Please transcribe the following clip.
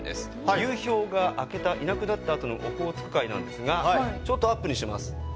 流氷が明けたいなくなったあとのオホーツク海なんですがちょっとアップにします。